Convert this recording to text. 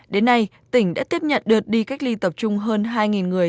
đến nay tỉnh đã tiếp nhận đợt đi cách ly tập trung hơn hai người